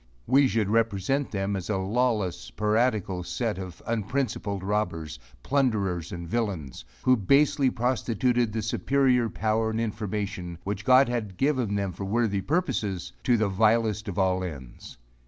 We should represent them as a lawless, piratical set of unprincipled robbers, plunderers and villains, who basely prostituted the superior power and information, which God had given them for worthy purposes to the vilest of all ends.